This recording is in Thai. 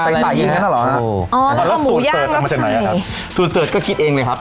ใส่อย่างนั้นเหรอฮะแล้วสูตรเสิร์ชออกมาจากไหนอ่ะครับสูตรเสิร์ชก็คิดเองเลยครับ